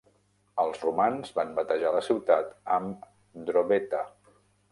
Els romans van batejar la ciutat amb "Drobeta".